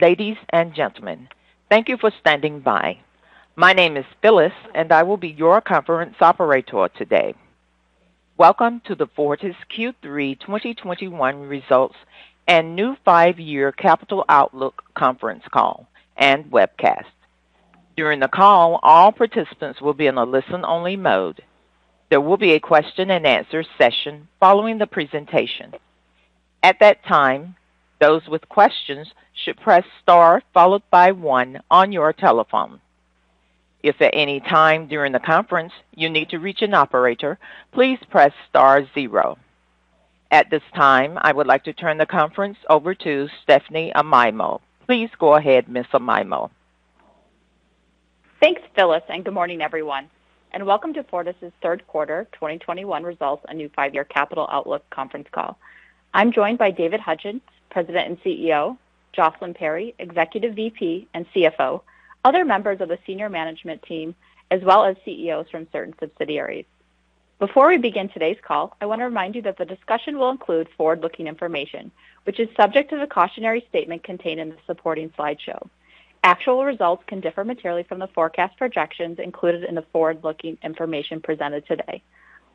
Ladies and gentlemen, thank you for standing by. My name is Phyllis, and I will be your conference operator today. Welcome to the Fortis Q3 2021 Results and new five-year Capital Outlook Conference Call and Webcast. During the call, all participants will be in a listen-only mode. There will be a question-and-answer session following the presentation. At that time, those with questions should press star followed by one on your telephone. If at any time during the conference you need to reach an operator, please press star zero. At this time, I would like to turn the conference over to Stephanie Amaimo. Please go ahead, Miss Amaimo. Thanks, Phyllis, and good morning, everyone, and welcome to Fortis' third quarter 2021 results, a new 5-year capital outlook conference call. I'm joined by David Hutchens, President and CEO, Jocelyn Perry, Executive VP and CFO, other members of the senior management team, as well as CEOs from certain subsidiaries. Before we begin today's call, I want to remind you that the discussion will include forward-looking information, which is subject to the cautionary statement contained in the supporting slideshow. Actual results can differ materially from the forecast projections included in the forward-looking information presented today.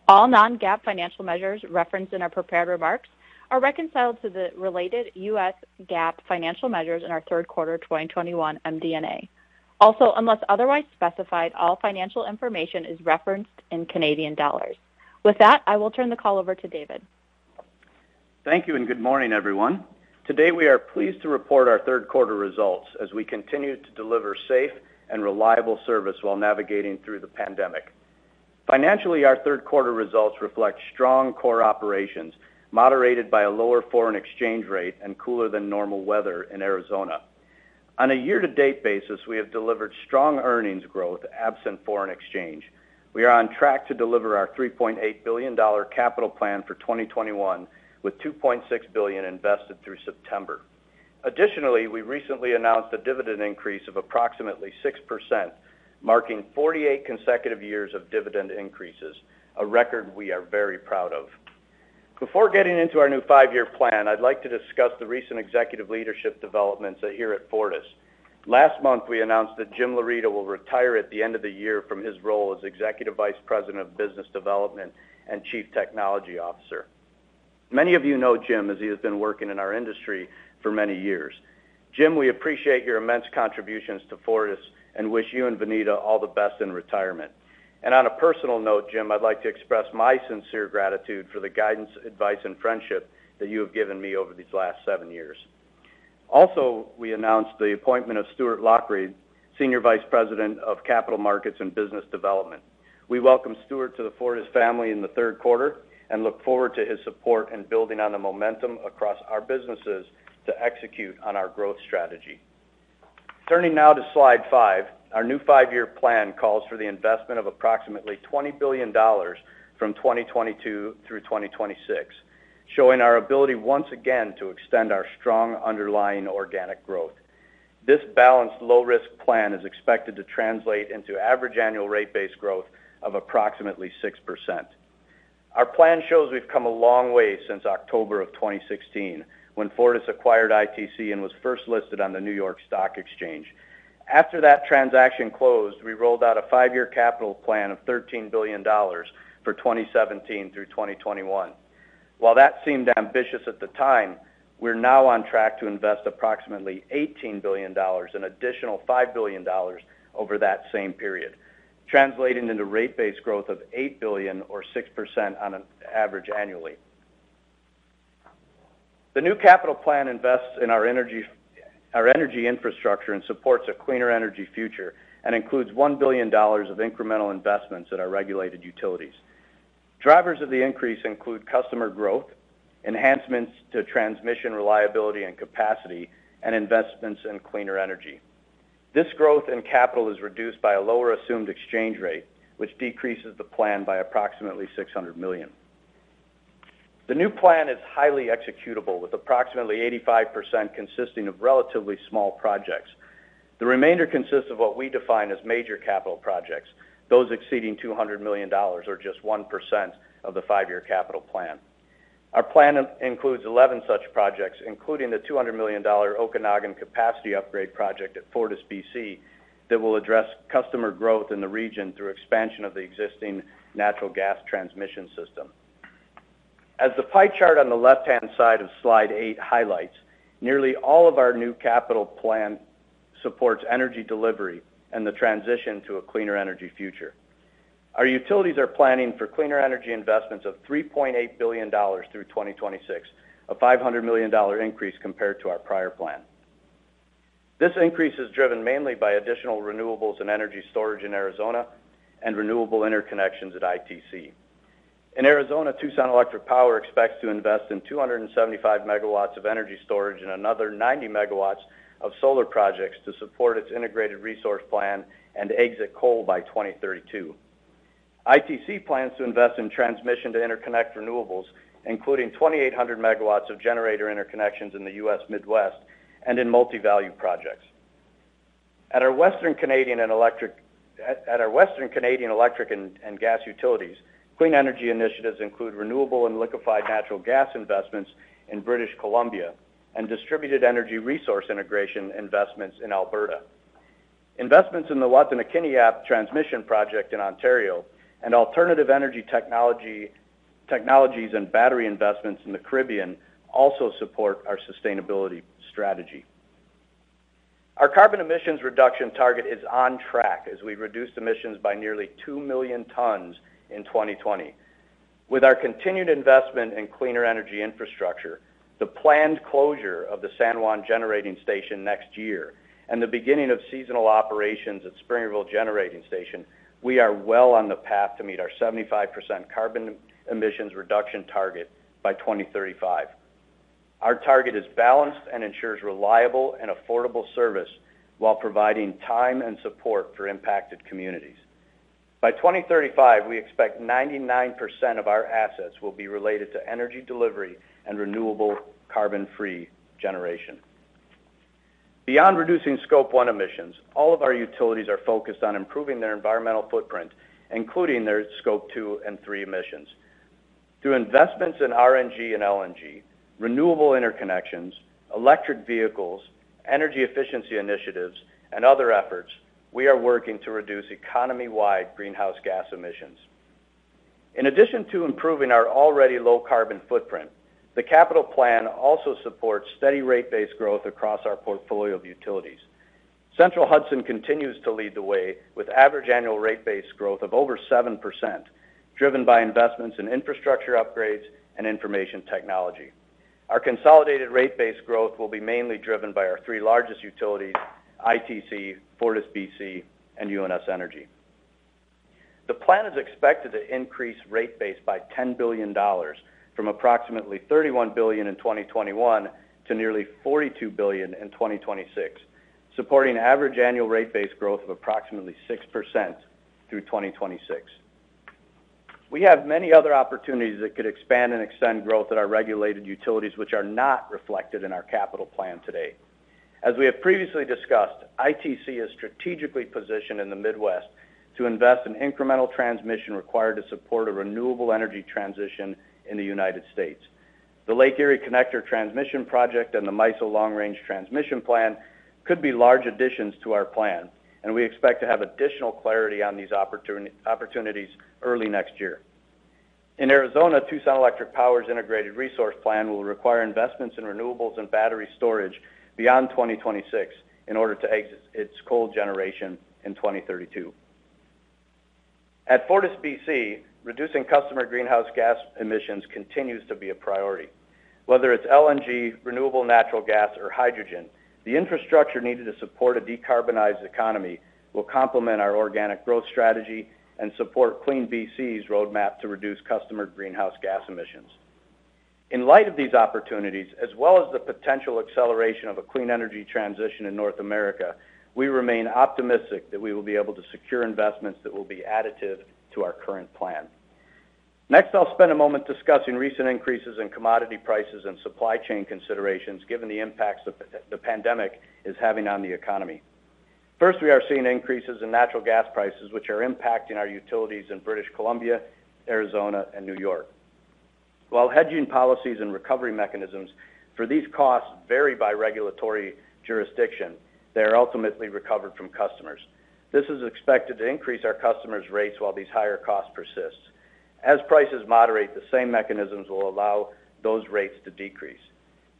All non-GAAP financial measures referenced in our prepared remarks are reconciled to the related US GAAP financial measures in our third quarter of 2021 MD&A. Also, unless otherwise specified, all financial information is referenced in Canadian dollars. With that, I will turn the call over to David. Thank you and good morning, everyone. Today, we are pleased to report our third quarter results as we continue to deliver safe and reliable service while navigating through the pandemic. Financially, our third quarter results reflect strong core operations, moderated by a lower foreign exchange rate and cooler than normal weather in Arizona. On a year-to-date basis, we have delivered strong earnings growth absent foreign exchange. We are on track to deliver our 3.8 billion dollar capital plan for 2021, with 2.6 billion invested through September. Additionally, we recently announced a dividend increase of approximately 6%, marking 48 consecutive years of dividend increases, a record we are very proud of. Before getting into our new five-year plan, I'd like to discuss the recent executive leadership developments here at Fortis. Last month, we announced that Jim Laurito will retire at the end of the year from his role as Executive Vice President of Business Development and Chief Technology Officer. Many of you know Jim as he has been working in our industry for many years. Jim, we appreciate your immense contributions to Fortis and wish you and Vanita all the best in retirement. On a personal note, Jim, I'd like to express my sincere gratitude for the guidance, advice, and friendship that you have given me over these last seven years. We announced the appointment of Stuart Lochray, Senior Vice President of Capital Markets and Business Development. We welcome Stuart to the Fortis family in the third quarter and look forward to his support in building on the momentum across our businesses to execute on our growth strategy. Turning now to slide five, our new 5-year plan calls for the investment of approximately 20 billion dollars from 2022 through 2026, showing our ability once again to extend our strong underlying organic growth. This balanced low-risk plan is expected to translate into average annual rate-based growth of approximately 6%. Our plan shows we've come a long way since October of 2016 when Fortis acquired ITC and was first listed on the New York Stock Exchange. After that transaction closed, we rolled out a 5-year capital plan of 13 billion dollars for 2017 through 2021. While that seemed ambitious at the time, we're now on track to invest approximately 18 billion dollars, an additional 5 billion dollars over that same period, translating into rate-based growth of 8 billion or 6% on an average annually. The new capital plan invests in our energy infrastructure and supports a cleaner energy future and includes 1 billion dollars of incremental investments in our regulated utilities. Drivers of the increase include customer growth, enhancements to transmission reliability and capacity, and investments in cleaner energy. This growth in capital is reduced by a lower assumed exchange rate, which decreases the plan by approximately 600 million. The new plan is highly executable, with approximately 85% consisting of relatively small projects. The remainder consists of what we define as major capital projects, those exceeding 200 million dollars or just 1% of the five-year capital plan. Our plan includes 11 such projects, including the 200 million-dollar Okanagan capacity upgrade project at FortisBC that will address customer growth in the region through expansion of the existing natural gas transmission system. As the pie chart on the left-hand side of slide eight highlights, nearly all of our new capital plan supports energy delivery and the transition to a cleaner energy future. Our utilities are planning for cleaner energy investments of 3.8 billion dollars through 2026, a 500 million dollar increase compared to our prior plan. This increase is driven mainly by additional renewables and energy storage in Arizona and renewable interconnections at ITC. In Arizona, Tucson Electric Power expects to invest in 275 MW of energy storage and another 90 MW of solar projects to support its Integrated Resource Plan and exit coal by 2032. ITC plans to invest in transmission to interconnect renewables, including 2,800 MW of generator interconnections in the U.S. Midwest and in Multi-Value Projects. At our Western Canadian Electric and Gas Utilities, clean energy initiatives include renewable and liquefied natural gas investments in British Columbia and distributed energy resource integration investments in Alberta. Investments in the Wataynikaneyap transmission project in Ontario and alternative energy technologies and battery investments in the Caribbean also support our sustainability strategy. Our carbon emissions reduction target is on track as we reduce emissions by nearly two million tons in 2020. With our continued investment in cleaner energy infrastructure, the planned closure of the San Juan Generating Station next year, and the beginning of seasonal operations at Springerville Generating Station, we are well on the path to meet our 75% carbon emissions reduction target by 2035. Our target is balanced and ensures reliable and affordable service while providing time and support for impacted communities. By 2035, we expect 99% of our assets will be related to energy delivery and renewable carbon-free generation. Beyond reducing scope one emissions, all of our utilities are focused on improving their environmental footprint, including their scope two and three emissions. Through investments in RNG and LNG, renewable interconnections, electric vehicles, energy efficiency initiatives, and other efforts, we are working to reduce economy-wide greenhouse gas emissions. In addition to improving our already low carbon footprint, the capital plan also supports steady rate-based growth across our portfolio of utilities. Central Hudson continues to lead the way with average annual rate-based growth of over 7%, driven by investments in infrastructure upgrades and information technology. Our consolidated rate-based growth will be mainly driven by our three largest utilities, ITC, FortisBC, and UNS Energy. The plan is expected to increase rate base by 10 billion dollars from approximately 31 billion in 2021 to nearly 42 billion in 2026, supporting average annual rate-based growth of approximately 6% through 2026. We have many other opportunities that could expand and extend growth at our regulated utilities, which are not reflected in our capital plan today. As we have previously discussed, ITC is strategically positioned in the Midwest to invest in incremental transmission required to support a renewable energy transition in the United States. The Lake Erie Connector Transmission Project and the MISO Long-Range Transmission Plan could be large additions to our plan, and we expect to have additional clarity on these opportunities early next year. In Arizona, Tucson Electric Power's Integrated Resource Plan will require investments in renewables and battery storage beyond 2026 in order to exit its coal generation in 2032. At FortisBC, reducing customer greenhouse gas emissions continues to be a priority. Whether it's LNG, renewable natural gas or hydrogen, the infrastructure needed to support a decarbonized economy will complement our organic growth strategy and support CleanBC's roadmap to reduce customer greenhouse gas emissions. In light of these opportunities, as well as the potential acceleration of a clean energy transition in North America, we remain optimistic that we will be able to secure investments that will be additive to our current plan. Next, I'll spend a moment discussing recent increases in commodity prices and supply chain considerations given the impacts the pandemic is having on the economy. First, we are seeing increases in natural gas prices, which are impacting our utilities in British Columbia, Arizona, and New York. While hedging policies and recovery mechanisms for these costs vary by regulatory jurisdiction, they are ultimately recovered from customers. This is expected to increase our customers' rates while these higher costs persist. As prices moderate, the same mechanisms will allow those rates to decrease.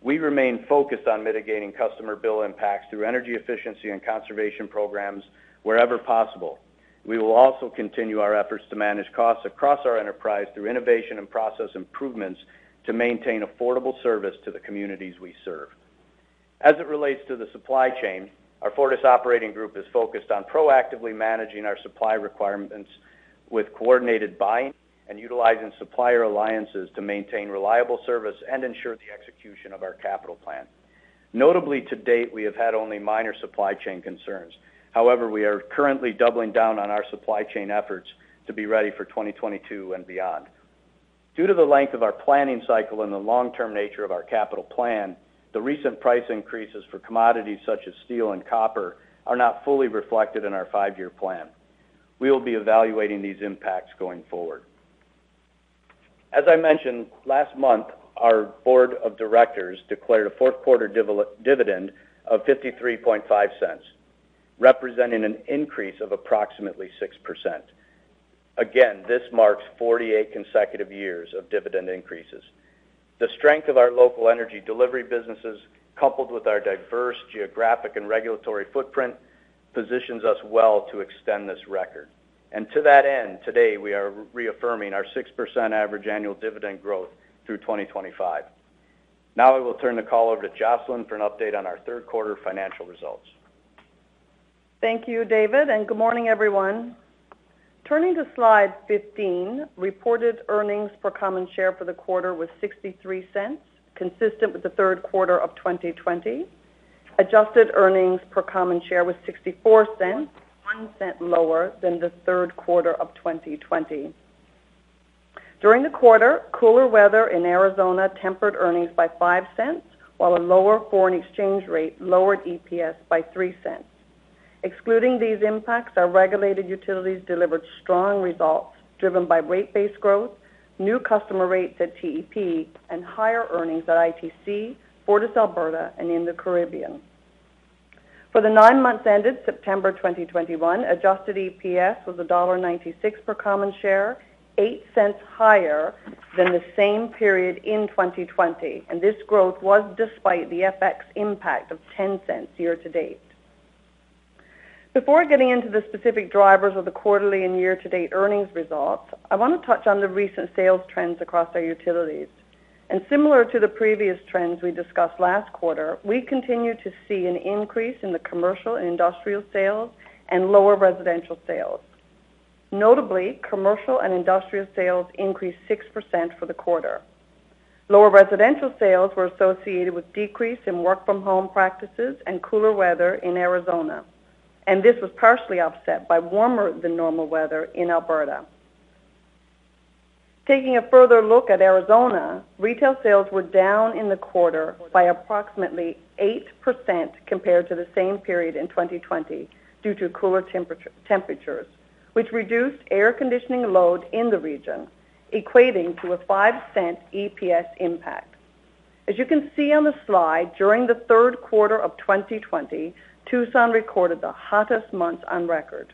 We remain focused on mitigating customer bill impacts through energy efficiency and conservation programs wherever possible. We will also continue our efforts to manage costs across our enterprise through innovation and process improvements to maintain affordable service to the communities we serve. As it relates to the supply chain, our Fortis operating group is focused on proactively managing our supply requirements with coordinated buying and utilizing supplier alliances to maintain reliable service and ensure the execution of our capital plan. Notably, to date, we have had only minor supply chain concerns. However, we are currently doubling down on our supply chain efforts to be ready for 2022 and beyond. Due to the length of our planning cycle and the long-term nature of our capital plan, the recent price increases for commodities such as steel and copper are not fully reflected in our five-year plan. We will be evaluating these impacts going forward. As I mentioned, last month, our board of directors declared a fourth-quarter dividend of 0.535, representing an increase of approximately 6%. Again, this marks 48 consecutive years of dividend increases. The strength of our local energy delivery businesses, coupled with our diverse geographic and regulatory footprint, positions us well to extend this record. To that end, today, we are reaffirming our 6% average annual dividend growth through 2025. Now I will turn the call over to Jocelyn for an update on our third-quarter financial results. Thank you, David, and good morning, everyone. Turning to slide 15, reported earnings per common share for the quarter was 0.63, consistent with the third quarter of 2020. Adjusted earnings per common share was 0.64, 0.01 lower than the third quarter of 2020. During the quarter, cooler weather in Arizona tempered earnings by 0.05, while a lower foreign exchange rate lowered EPS by 0.03. Excluding these impacts, our regulated utilities delivered strong results driven by rate-based growth, new customer rates at TEP, and higher earnings at ITC, FortisAlberta, and in the Caribbean. For the nine months ended September 2021, adjusted EPS was dollar 1.96 per common share, 0.08 higher than the same period in 2020, and this growth was despite the FX impact of 0.10 year-to-date. Before getting into the specific drivers of the quarterly and year-to-date earnings results, I want to touch on the recent sales trends across our utilities. Similar to the previous trends we discussed last quarter, we continue to see an increase in the commercial and industrial sales and lower residential sales. Notably, commercial and industrial sales increased 6% for the quarter. Lower residential sales were associated with decrease in work-from-home practices and cooler weather in Arizona, and this was partially offset by warmer-than-normal weather in Alberta. Taking a further look at Arizona, retail sales were down in the quarter by approximately 8% compared to the same period in 2020 due to cooler temperatures, which reduced air conditioning load in the region, equating to a 5% EPS impact. As you can see on the slide, during the third quarter of 2020, Tucson recorded the hottest month on record.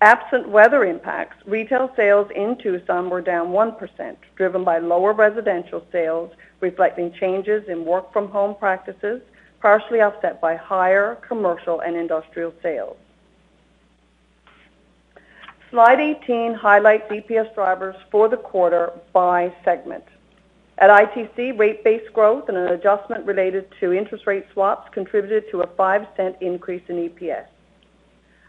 Absent weather impacts, retail sales in Tucson were down 1%, driven by lower residential sales, reflecting changes in work-from-home practices, partially offset by higher commercial and industrial sales. Slide 18 highlights EPS drivers for the quarter by segment. At ITC, rate-based growth and an adjustment related to interest rate swaps contributed to a 0.05 increase in EPS.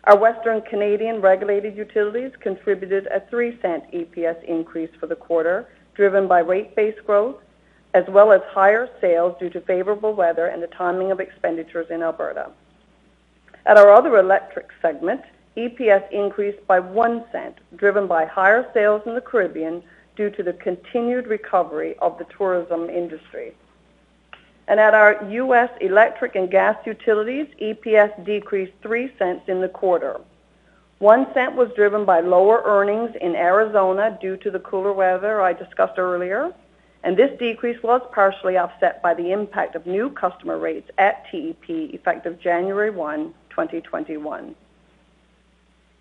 Our Western Canadian regulated utilities contributed a 0.03 EPS increase for the quarter, driven by rate-based growth as well as higher sales due to favorable weather and the timing of expenditures in Alberta. At our other electric segment, EPS increased by 0.01, driven by higher sales in the Caribbean due to the continued recovery of the tourism industry. At our U.S. electric and gas utilities, EPS decreased 0.03 in the quarter. 0.01 was driven by lower earnings in Arizona due to the cooler weather I discussed earlier, and this decrease was partially offset by the impact of new customer rates at TEP, effective January 1, 2021.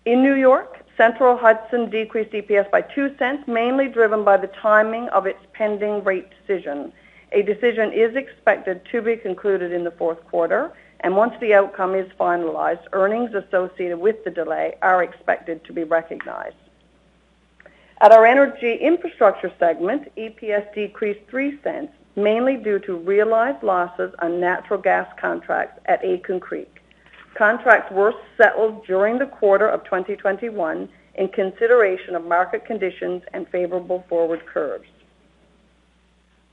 In New York, Central Hudson decreased EPS by 0.02, mainly driven by the timing of its pending rate decision. A decision is expected to be concluded in the fourth quarter, and once the outcome is finalized, earnings associated with the delay are expected to be recognized. At our energy infrastructure segment, EPS decreased 0.03, mainly due to realized losses on natural gas contracts at Aitken Creek. Contracts were settled during the quarter of 2021 in consideration of market conditions and favorable forward curves.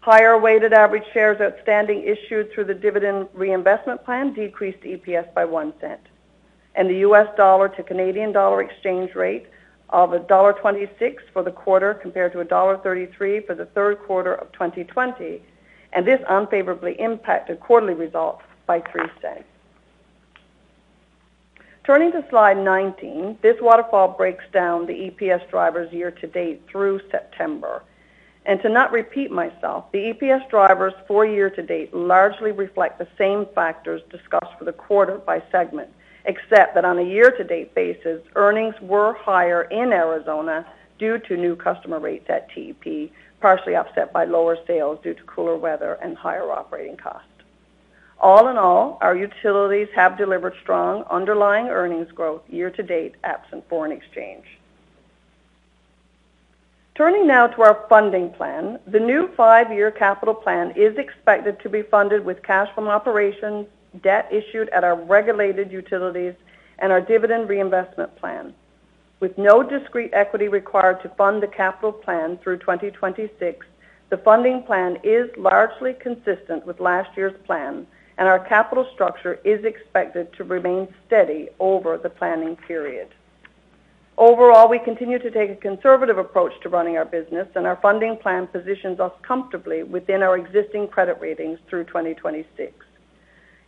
Higher weighted average shares outstanding issued through the dividend reinvestment plan decreased EPS by 0.01, and the US dollar to Canadian dollar exchange rate of $1.26 for the quarter compared to $1.33 for the third quarter of 2020. This unfavorably impacted quarterly results by 0.03. Turning to slide 19, this waterfall breaks down the EPS drivers year-to-date through September. To not repeat myself, the EPS drivers for year-to-date largely reflect the same factors discussed for the quarter by segment, except that on a year-to-date basis, earnings were higher in Arizona due to new customer rates at TEP, partially offset by lower sales due to cooler weather and higher operating costs. All in all, our utilities have delivered strong underlying earnings growth year-to-date absent foreign exchange. Turning now to our funding plan, the new five-year capital plan is expected to be funded with cash from operations, debt issued at our regulated utilities, and our dividend reinvestment plan. With no discrete equity required to fund the capital plan through 2026, the funding plan is largely consistent with last year's plan, and our capital structure is expected to remain steady over the planning period. Overall, we continue to take a conservative approach to running our business, and our funding plan positions us comfortably within our existing credit ratings through 2026.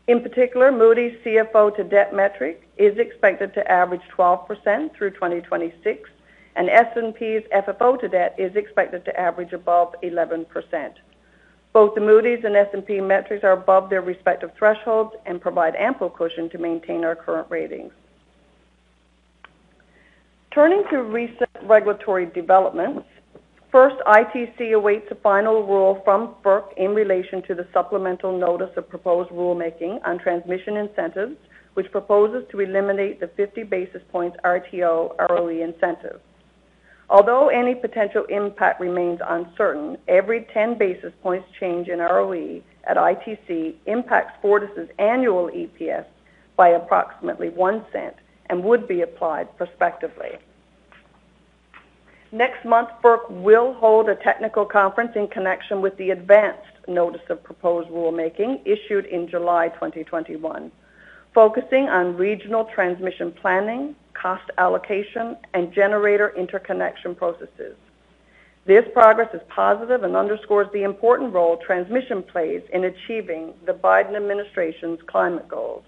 In particular, Moody's CFO-to-debt metric is expected to average 12% through 2026, and S&P's FFO-to-debt is expected to average above 11%. Both the Moody's and S&P metrics are above their respective thresholds and provide ample cushion to maintain our current ratings. Turning to recent regulatory developments, first, ITC awaits a final rule from FERC in relation to the supplemental notice of proposed rulemaking on transmission incentives, which proposes to eliminate the 50 basis points RTO ROE incentive. Although any potential impact remains uncertain, every ten basis points change in ROE at ITC impacts Fortis' annual EPS by approximately one cent and would be applied prospectively. Next month, FERC will hold a technical conference in connection with the advanced notice of proposed rulemaking issued in July 2021, focusing on regional transmission planning, cost allocation, and generator interconnection processes. This progress is positive and underscores the important role transmission plays in achieving the Biden administration's climate goals.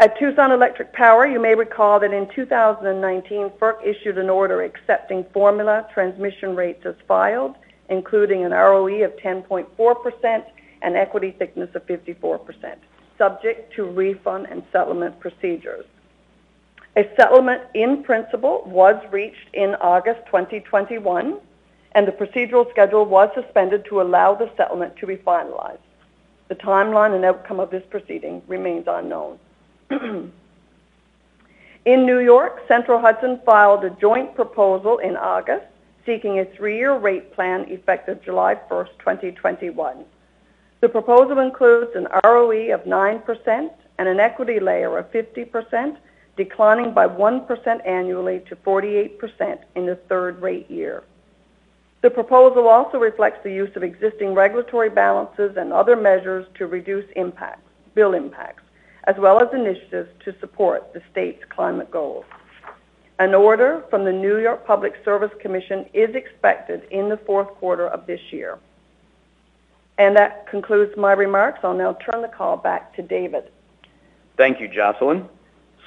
At Tucson Electric Power, you may recall that in 2019, FERC issued an order accepting formula transmission rates as filed, including an ROE of 10.4% and equity thickness of 54%, subject to refund and settlement procedures. A settlement in principle was reached in August 2021, and the procedural schedule was suspended to allow the settlement to be finalized. The timeline and outcome of this proceeding remains unknown. In New York, Central Hudson filed a joint proposal in August seeking a three-year rate plan effective July 1, 2021. The proposal includes an ROE of 9% and an equity layer of 50%, declining by 1% annually to 48% in the third rate year. The proposal also reflects the use of existing regulatory balances and other measures to reduce impact bill impacts, as well as initiatives to support the state's climate goals. An order from the New York Public Service Commission is expected in the fourth quarter of this year. That concludes my remarks. I'll now turn the call back to David. Thank you, Jocelyn.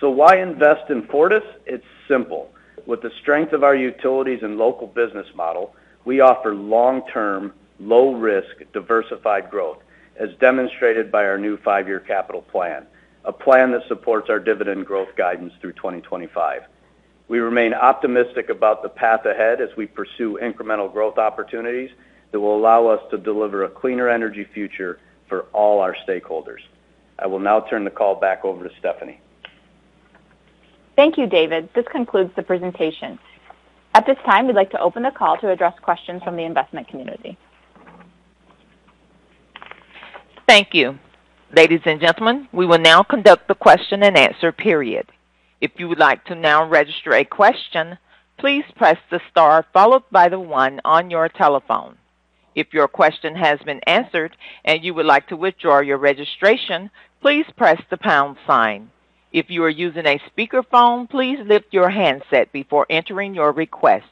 Why invest in Fortis? It's simple. With the strength of our utilities and local business model, we offer long-term, low-risk, diversified growth, as demonstrated by our new five-year capital plan, a plan that supports our dividend growth guidance through 2025. We remain optimistic about the path ahead as we pursue incremental growth opportunities that will allow us to deliver a cleaner energy future for all our stakeholders. I will now turn the call back over to Stephanie. Thank you, David. This concludes the presentation. At this time, we'd like to open the call to address questions from the investment community. Thank you. Ladies and gentlemen, we will now conduct the question-and-answer period. If you would like to now register a question, please press the star followed by the one on your telephone. If your question has been answered and you would like to withdraw your registration, please press the pound sign. If you are using a speakerphone, please lift your handset before entering your request.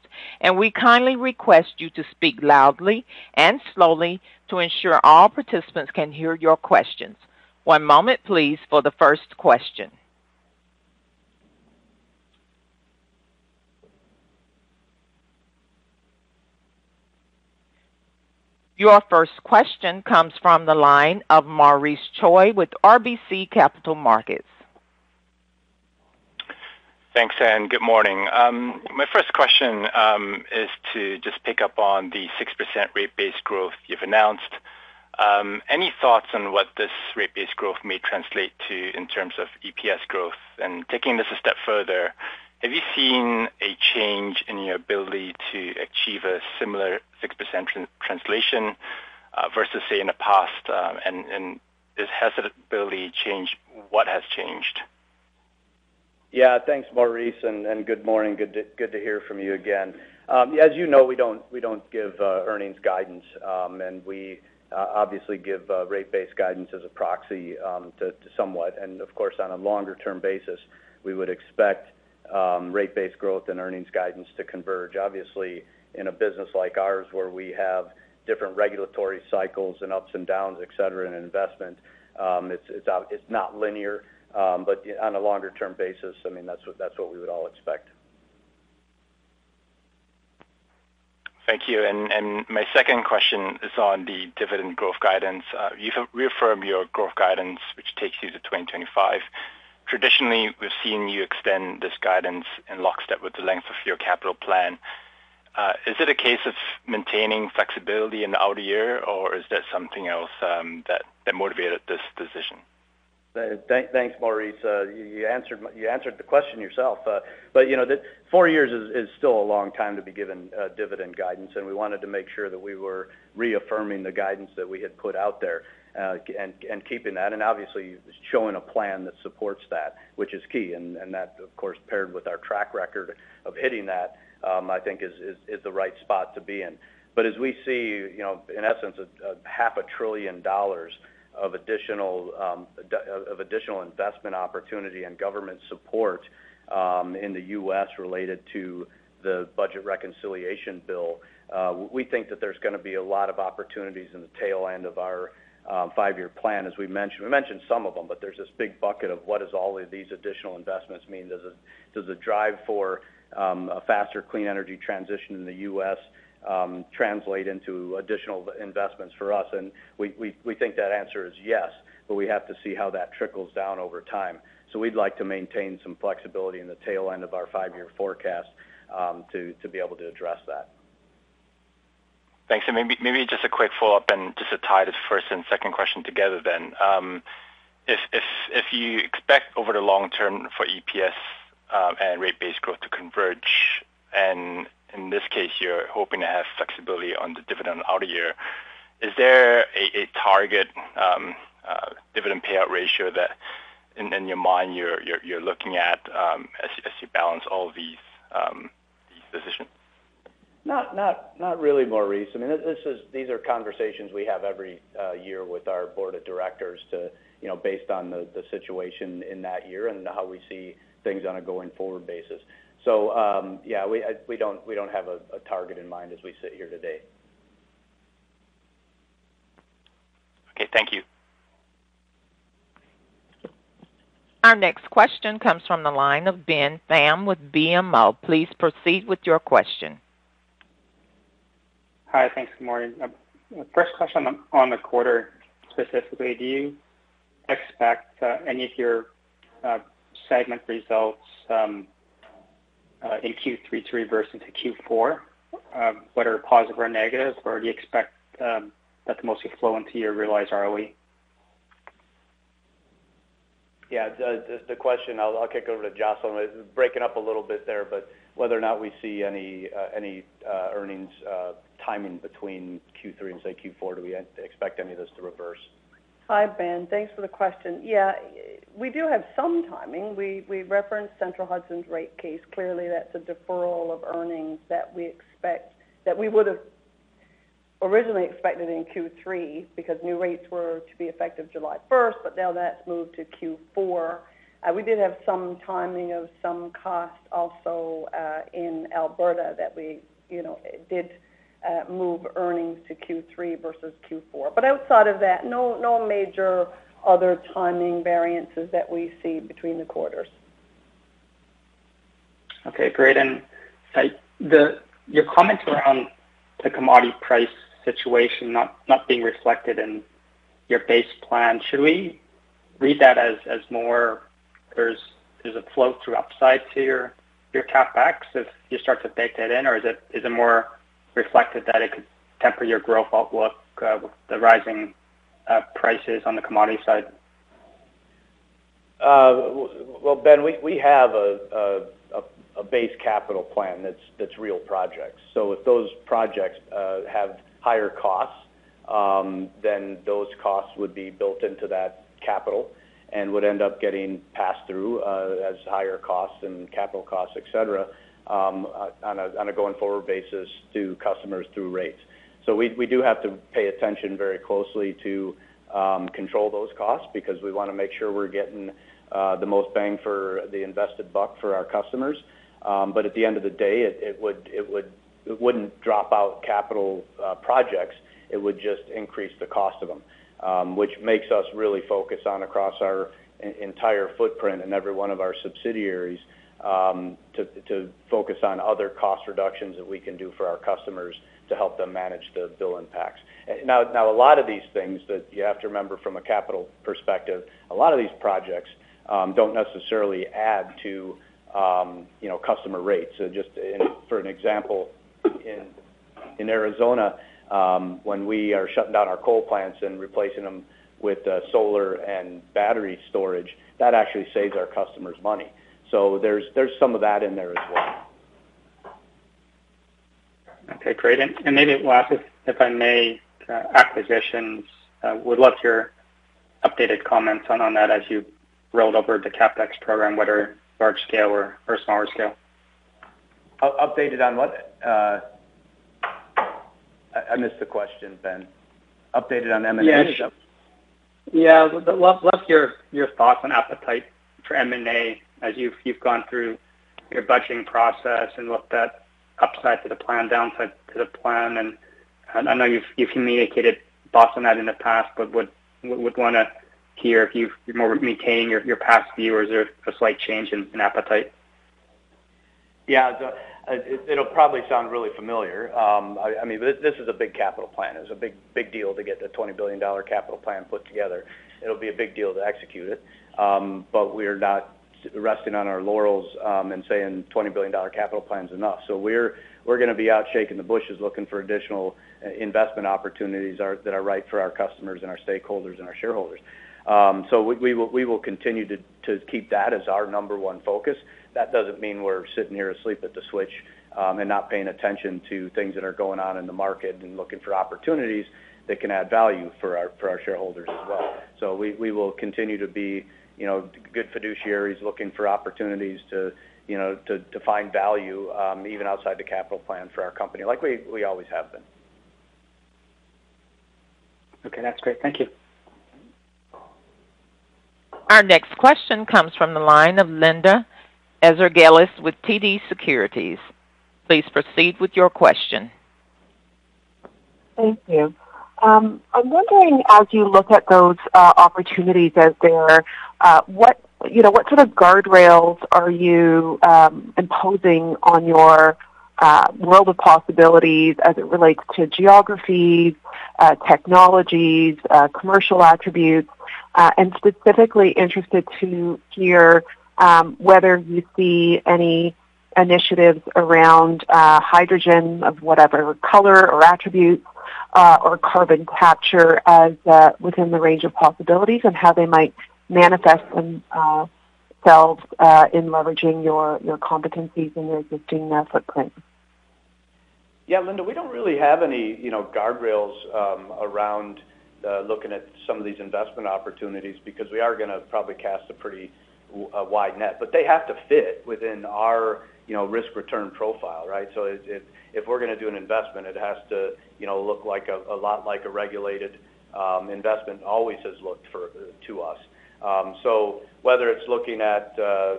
We kindly request you to speak loudly and slowly to ensure all participants can hear your questions. One moment, please, for the first question. Your first question comes from the line of Maurice Choy with RBC Capital Markets. Thanks, Ann. Good morning. My first question is to just pick up on the 6% rate-based growth you've announced. Any thoughts on what this rate-based growth may translate to in terms of EPS growth? Taking this a step further, have you seen a change in your ability to achieve a similar 6% translation versus, say, in the past? Has this ability changed? What has changed? Yeah. Thanks, Maurice, and good morning. Good to hear from you again. As you know, we don't give earnings guidance, and we obviously give rate-based guidance as a proxy to somewhat. Of course, on a longer-term basis, we would expect rate-based growth and earnings guidance to converge. Obviously, in a business like ours, where we have different regulatory cycles and ups and downs, et cetera, in investment, it's not linear. On a longer-term basis, I mean, that's what we would all expect. Thank you. My second question is on the dividend growth guidance. You've reaffirmed your growth guidance, which takes you to 2025. Traditionally, we've seen you extend this guidance in lockstep with the length of your capital plan. Is it a case of maintaining flexibility in the outer year, or is there something else that motivated this decision? Thanks, Maurice. You answered the question yourself. You know, the four years is still a long time to be given dividend guidance, and we wanted to make sure that we were reaffirming the guidance that we had put out there, and keeping that, and obviously showing a plan that supports that, which is key. That, of course, paired with our track record of hitting that, I think is the right spot to be in. As we see, you know, in essence, half a trillion dollars of additional investment opportunity and government support in the U.S. related to the budget reconciliation bill, we think that there's gonna be a lot of opportunities in the tail end of our five-year plan, as we mentioned. We mentioned some of them, but there's this big bucket of what does all of these additional investments mean? Does the drive for a faster clean energy transition in the U.S. translate into additional investments for us? We think that answer is yes, but we have to see how that trickles down over time. We'd like to maintain some flexibility in the tail end of our five-year forecast to be able to address that. Thanks. Maybe just a quick follow-up and just to tie this first and second question together then. If you expect over the long term for EPS and rate-based growth to converge, and in this case, you're hoping to have flexibility on the dividend outer year, is there a target dividend payout ratio that in your mind you're looking at, as you balance all these? Not really, Maurice. I mean, these are conversations we have every year with our board of directors to, you know, based on the situation in that year and how we see things on a going-forward basis. Yeah, we don't have a target in mind as we sit here today. Okay. Thank you. Our next question comes from the line of Ben Pham with BMO. Please proceed with your question. Hi. Thanks. Good morning. First question on the quarter specifically. Do you expect any of your segment results in Q3 to reverse into Q4, whether positive or negative? Or do you expect that to mostly flow into your realized ROE? Yeah, the question. I'll kick over to Jocelyn. It was breaking up a little bit there, but whether or not we see any earnings timing between Q3 and, say, Q4. Do we expect any of this to reverse? Hi, Ben. Thanks for the question. Yeah, we do have some timing. We referenced Central Hudson's rate case. Clearly, that's a deferral of earnings that we would've originally expected in Q3 because new rates were to be effective July 1, but now that's moved to Q4. We did have some timing of some costs also in Alberta that we, you know, did move earnings to Q3 versus Q4. Outside of that, no major other timing variances that we see between the quarters. Okay. Great. Your comments around the commodity price situation not being reflected in your base plan, should we read that as more there's a flow-through upside to your CapEx as you start to bake that in? Or is it more reflective that it could temper your growth outlook with the rising prices on the commodity side? Well, Ben, we have a base capital plan that's real projects. If those projects have higher costs, then those costs would be built into that capital and would end up getting passed through as higher costs and capital costs, et cetera, on a going-forward basis to customers through rates. We do have to pay attention very closely to control those costs because we wanna make sure we're getting the most bang for the invested buck for our customers. At the end of the day, it wouldn't drop out capital projects. It would just increase the cost of them, which makes us really focus on across our entire footprint in every one of our subsidiaries, to focus on other cost reductions that we can do for our customers to help them manage the bill impacts. Now a lot of these things that you have to remember from a capital perspective, a lot of these projects don't necessarily add to, you know, customer rates. Just for an example, in Arizona, when we are shutting down our coal plants and replacing them with solar and battery storage, that actually saves our customers money. There's some of that in there as well. Okay. Great. Maybe last, if I may, acquisitions. Would love to hear updated comments on that as you rolled over the CapEx program, whether large scale or smaller scale. Updated on what? I missed the question, Ben. Updated on M&A stuff? Yeah. Would love your thoughts on appetite for M&A as you've gone through your budgeting process and looked at upside to the plan, downside to the plan. I know you've communicated thoughts on that in the past, but would wanna hear if you're more maintaining your past view, or is there a slight change in appetite? It'll probably sound really familiar. I mean, this is a big capital plan. It was a big deal to get the 20 billion dollar capital plan put together. It'll be a big deal to execute it. We are not resting on our laurels and saying 20 billion dollar capital plan's enough. We're gonna be out shaking the bushes, looking for additional investment opportunities that are right for our customers and our stakeholders and our shareholders. We will continue to keep that as our number one focus. That doesn't mean we're sitting here asleep at the switch and not paying attention to things that are going on in the market and looking for opportunities that can add value for our shareholders as well. We will continue to be, you know, good fiduciaries looking for opportunities to, you know, to find value even outside the capital plan for our company, like we always have been. Okay. That's great. Thank you. Our next question comes from the line of Linda Ezergailis with TD Securities. Please proceed with your question. Thank you. I'm wondering, as you look at those opportunities out there, what, you know, what sort of guardrails are you imposing on your world of possibilities as it relates to geographies, technologies, commercial attributes? Specifically interested to hear whether you see any initiatives around hydrogen of whatever color or attribute, or carbon capture as within the range of possibilities and how they might manifest themselves in leveraging your competencies in your existing footprint. Yeah, Linda, we don't really have any, you know, guardrails around looking at some of these investment opportunities because we are gonna probably cast a pretty a wide net. They have to fit within our, you know, risk-return profile, right? If we're gonna do an investment, it has to, you know, look like a lot like a regulated investment always has looked to us. Whether it's looking at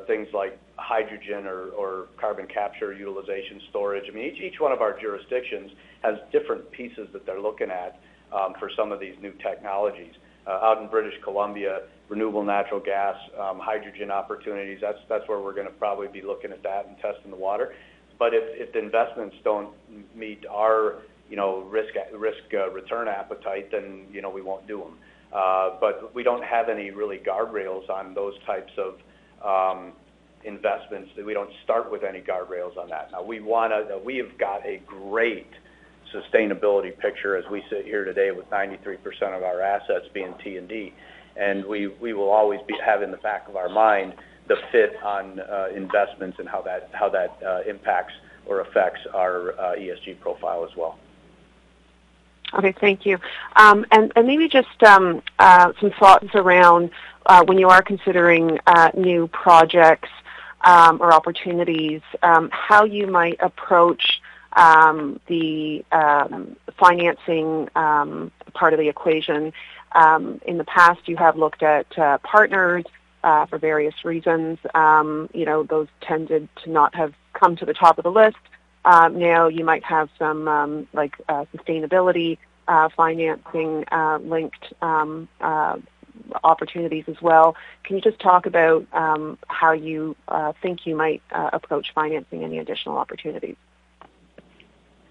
things like hydrogen or carbon capture utilization storage, I mean, each one of our jurisdictions has different pieces that they're looking at for some of these new technologies. Out in British Columbia, renewable natural gas, hydrogen opportunities, that's where we're gonna probably be looking at that and testing the water. If the investments don't meet our, you know, risk return appetite, then, you know, we won't do them. We don't have any real guardrails on those types of investments. We don't start with any guardrails on that. We have got a great sustainability picture as we sit here today with 93% of our assets being T&D. We will always have in the back of our mind the fit on investments and how that impacts or affects our ESG profile as well. Okay, thank you. Maybe just some thoughts around when you are considering new projects or opportunities how you might approach the financing part of the equation. In the past, you have looked at partners for various reasons. You know, those tended to not have come to the top of the list. Now you might have some, like, sustainability financing linked opportunities as well. Can you just talk about how you think you might approach financing any additional opportunities?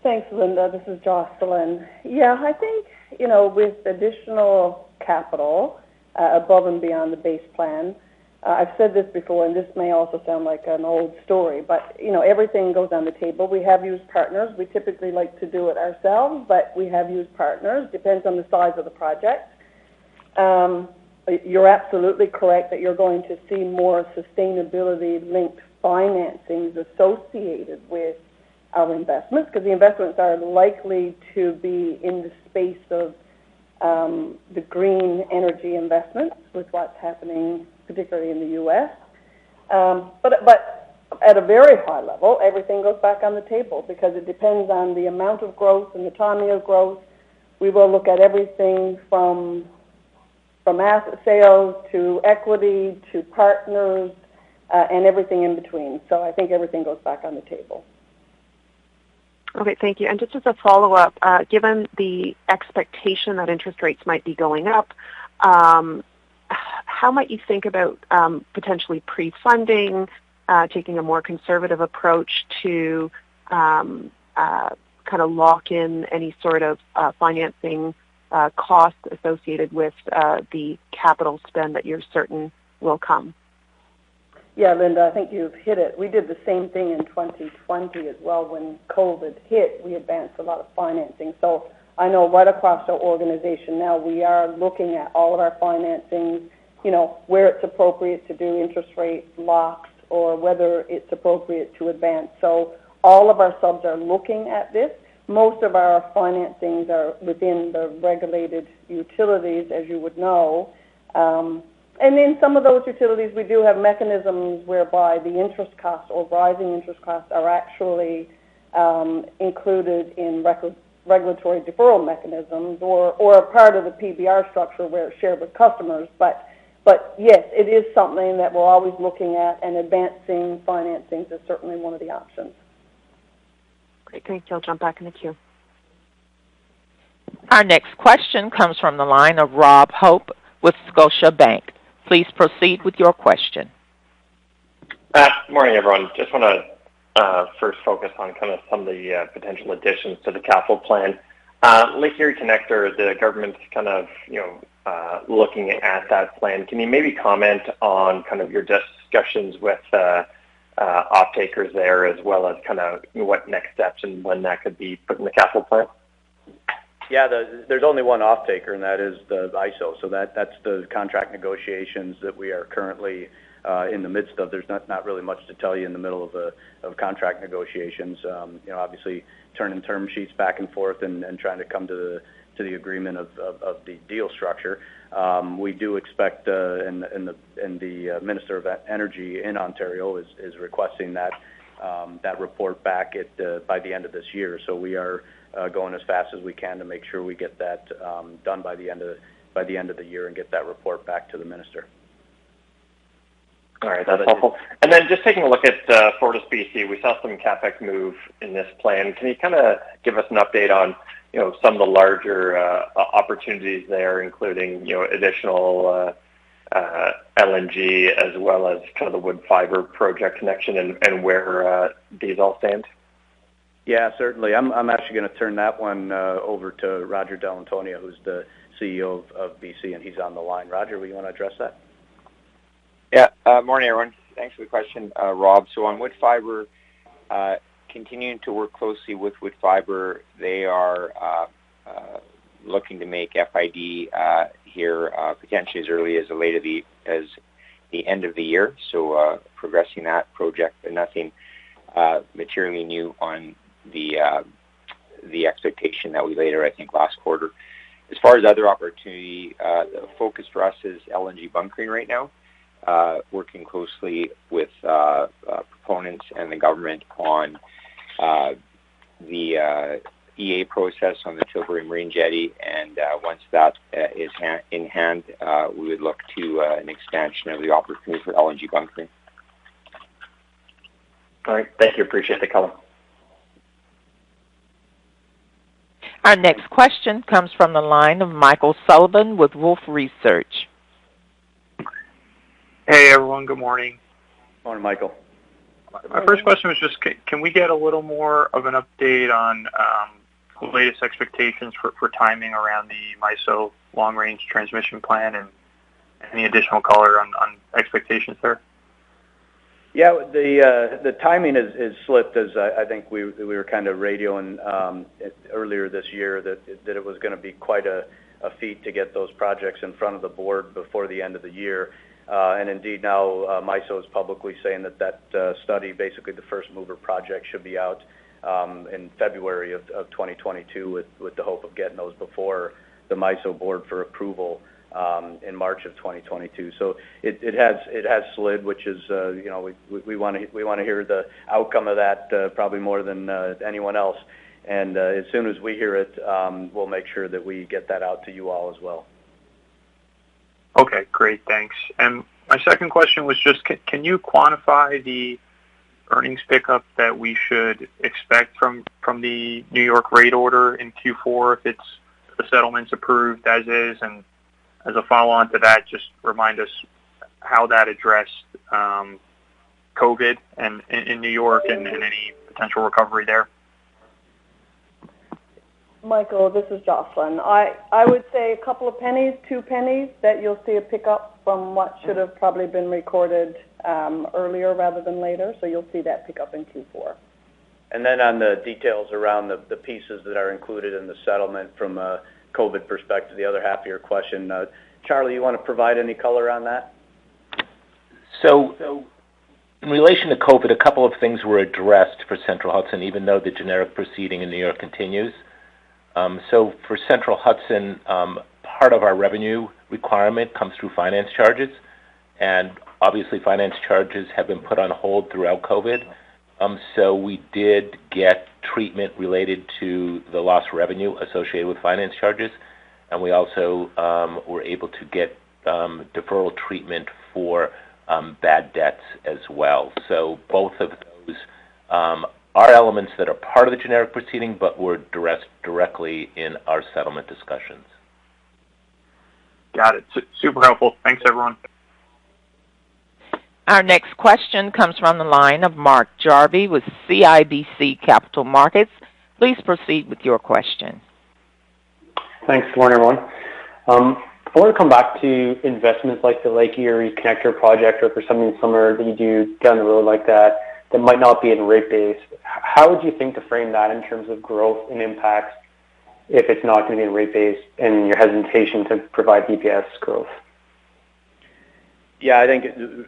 Thanks, Linda. This is Jocelyn. Yeah, I think, you know, with additional capital above and beyond the base plan, I've said this before, and this may also sound like an old story, but, you know, everything goes on the table. We have used partners. We typically like to do it ourselves, but we have used partners. It depends on the size of the project. You're absolutely correct that you're going to see more sustainability-linked financings associated with our investments because the investments are likely to be in the space of the green energy investments with what's happening, particularly in the U.S. But at a very high level, everything goes back on the table because it depends on the amount of growth and the timing of growth. We will look at everything from asset sales to equity to partners, and everything in between. I think everything goes back on the table. Okay, thank you. Just as a follow-up, given the expectation that interest rates might be going up, how might you think about potentially pre-funding, taking a more conservative approach to kind of lock in any sort of financing costs associated with the capital spend that you're certain will come? Yeah, Linda, I think you've hit it. We did the same thing in 2020 as well. When COVID hit, we advanced a lot of financing. I know right across our organization now, we are looking at all of our financing, you know, where it's appropriate to do interest rate locks or whether it's appropriate to advance. All of our subs are looking at this. Most of our financings are within the regulated utilities, as you would know. And in some of those utilities, we do have mechanisms whereby the interest costs or rising interest costs are actually included in regulatory deferral mechanisms or a part of the PBR structure where it's shared with customers. But yes, it is something that we're always looking at, and advancing financings is certainly one of the options. Great. Thank you. I'll jump back in the queue. Our next question comes from the line of Rob Hope with Scotiabank. Please proceed with your question. Good morning, everyone. Just want to first focus on kind of some of the potential additions to the capital plan. Lake Erie Connector, the government's kind of, you know, looking at that plan. Can you maybe comment on kind of your discussions with off-takers there, as well as kind of what next steps and when that could be put in the capital plan? Yeah, there's only one off-taker, and that is the IESO. So that's the contract negotiations that we are currently in the midst of. There's not really much to tell you in the middle of contract negotiations. You know, obviously turning term sheets back and forth and trying to come to the agreement of the deal structure. We do expect, and the Minister of Energy in Ontario is requesting that report back by the end of this year. So we are going as fast as we can to make sure we get that done by the end of the year and get that report back to the Minister. All right. That's helpful. Just taking a look at FortisBC, we saw some CapEx move in this plan. Can you kind of give us an update on, you know, some of the larger opportunities there, including, you know, additional LNG as well as kind of the Woodfibre project connection and where these all stand? Yeah, certainly. I'm actually going to turn that one over to Roger Dall'Antonia, who's the CEO of BC, and he's on the line. Roger, will you want to address that? Yeah. Morning, everyone. Thanks for the question, Rob. On Woodfibre LNG, continuing to work closely with Woodfibre LNG. They are, looking to make FID here potentially as early as the end of the year. Progressing that project, but nothing materially new on the expectation that we laid out I think last quarter. As far as other opportunity, the focus for us is LNG bunkering right now, working closely with proponents and the government on the EA process on the Tilbury Marine Jetty. Once that is in hand, we would look to an expansion of the opportunity for LNG bunkering. All right. Thank you. Appreciate the color. Our next question comes from the line of Michael Sullivan with Wolfe Research. Hey, everyone. Good morning. Morning, Michael. My first question was just can we get a little more of an update on the latest expectations for timing around the MISO long-range transmission plan and any additional color on expectations there? Yeah. The timing has slipped as I think we were kind of reiterating earlier this year that it was gonna be quite a feat to get those projects in front of the board before the end of the year. Indeed now MISO is publicly saying that study, basically the first mover project should be out in February of 2022, with the hope of getting those before the MISO board for approval in March of 2022. It has slid, which is, you know, we wanna hear the outcome of that probably more than anyone else. As soon as we hear it, we'll make sure that we get that out to you all as well. Okay. Great. Thanks. My second question was just can you quantify the earnings pickup that we should expect from the New York rate order in Q4 if the settlement's approved as is? As a follow-on to that, just remind us how that addressed COVID in New York and any potential recovery there. Michael, this is Jocelyn. I would say a couple of pennies, two pennies that you'll see a pickup from what should have probably been recorded earlier rather than later. You'll see that pickup in Q4. On the details around the pieces that are included in the settlement from a COVID perspective, the other half of your question. Charlie, you want to provide any color on that? In relation to COVID, a couple of things were addressed for Central Hudson, even though the generic proceeding in New York continues. For Central Hudson, part of our revenue requirement comes through finance charges, and obviously, finance charges have been put on hold throughout COVID. We did get treatment related to the lost revenue associated with finance charges, and we also were able to get deferral treatment for bad debts as well. Both of those are elements that are part of the generic proceeding but were addressed directly in our settlement discussions. Got it. Super helpful. Thanks, everyone. Our next question comes from the line of Mark Jarvi with CIBC Capital Markets. Please proceed with your question. Thanks. Good morning, everyone. I want to come back to investments like the Lake Erie Connector project or for something similar that you do down the road like that might not be in rate base. How would you think to frame that in terms of growth and impact if it's not going to be in rate base and your hesitation to provide EPS growth? Yeah, I think,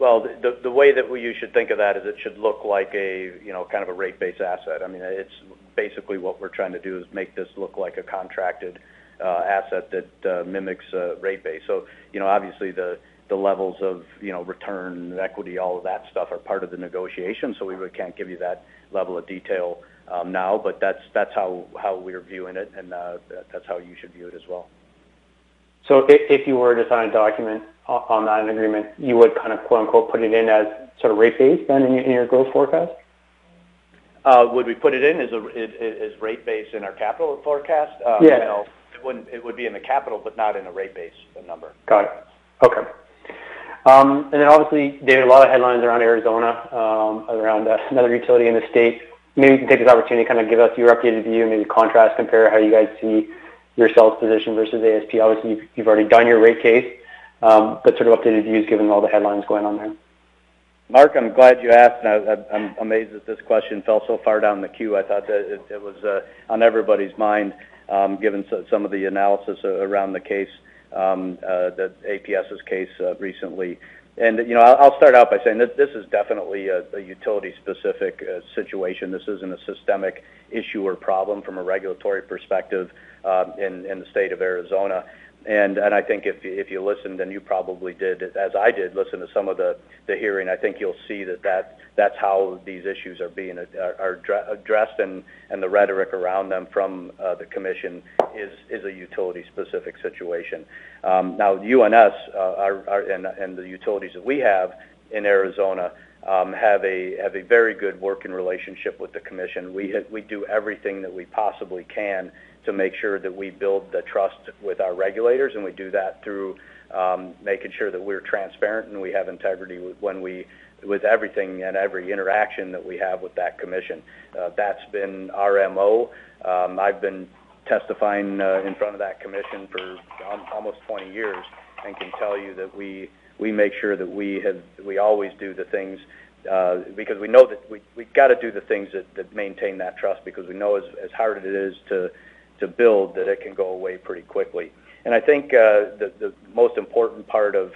well, the way you should think of that is it should look like a, you know, kind of a rate base asset. I mean, it's basically what we're trying to do is make this look like a contracted asset that mimics a rate base. You know, obviously the levels of, you know, return, equity, all of that stuff are part of the negotiation. We really can't give you that level of detail now. That's how we're viewing it, and that's how you should view it as well. If you were to sign a document on that agreement, you would kind of quote, unquote, put it in as sort of rate base then in your growth forecast? Would we put it in as a rate base in our capital forecast? Yeah. No. It wouldn't. It would be in the capital, but not in a rate base number. Got it. Okay. Obviously, there are a lot of headlines around Arizona, around another utility in the state. Maybe you can take this opportunity to kind of give us your updated view, maybe contrast, compare how you guys see your sales position versus APS. Obviously, you've already done your rate case, sort of updated views given all the headlines going on there. Mark, I'm glad you asked, and I'm amazed that this question fell so far down the queue. I thought that it was on everybody's mind, given some of the analysis around the case, the APS's case, recently. You know, I'll start out by saying this is definitely a utility-specific situation. This isn't a systemic issue or problem from a regulatory perspective, in the state of Arizona. I think if you listened, and you probably did, as I did, listen to some of the hearing, I think you'll see that that's how these issues are being addressed and the rhetoric around them from the commission is a utility-specific situation. Now you and us and the utilities that we have in Arizona have a very good working relationship with the commission. We do everything that we possibly can to make sure that we build the trust with our regulators, and we do that through making sure that we're transparent and we have integrity with everything and every interaction that we have with that commission. That's been our MO. I've been testifying in front of that commission for almost 20 years and can tell you that we make sure that we always do the things because we know that we got to do the things that maintain that trust because we know as hard as it is to build that it can go away pretty quickly. I think the most important part of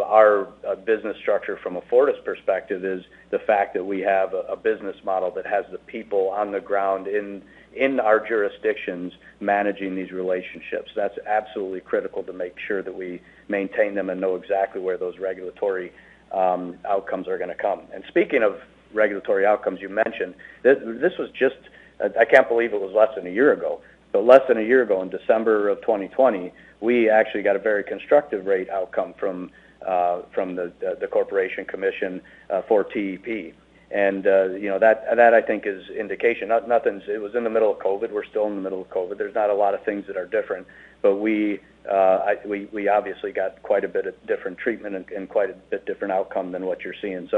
our business structure from a Fortis perspective is the fact that we have a business model that has the people on the ground in our jurisdictions managing these relationships. That's absolutely critical to make sure that we maintain them and know exactly where those regulatory outcomes are gonna come. Speaking of regulatory outcomes, you mentioned I can't believe it was less than a year ago. Less than a year ago, in December of 2020, we actually got a very constructive rate outcome from the corporation commission for TEP. You know, that I think is indication. It was in the middle of COVID, we're still in the middle of COVID. There's not a lot of things that are different, but we obviously got quite a bit of different treatment and quite a bit different outcome than what you're seeing.